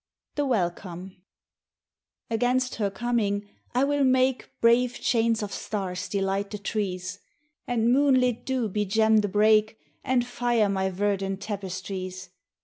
72 THE WELCOME AGAINST her corning I will make Brave chains of stars delight the trees, And moonlit dew begem the brake And fire my verdant tapestries.